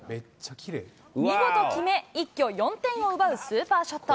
見事決め、一挙４点を奪うスーパーショット。